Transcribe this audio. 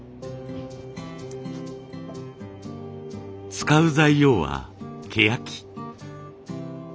使う材料はケヤキ。